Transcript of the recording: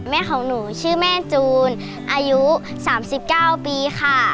แม่ของหนูชื่อแม่จูนอายุ๓๙ปีค่ะ